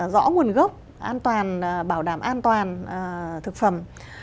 rõ nguồn gốc an toàn bảo đảm an toàn thực phẩm